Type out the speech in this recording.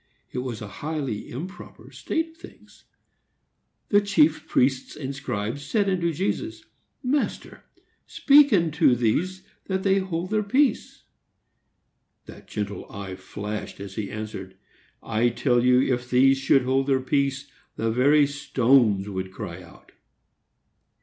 It was a highly improper state of things. The Chief Priests and Scribes said unto Jesus, "Master, speak unto these that they hold their peace." That gentle eye flashed as he answered, "I TELL YOU, IF THESE SHOULD HOLD THEIR PEACE, THE VERY STONES WOULD CRY OUT."